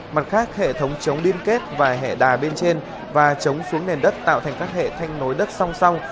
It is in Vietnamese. mặt khác hệ thống chống liên kết và hệ đà bên trên và chống xuống nền đất tạo thành các hệ thanh nối đất song song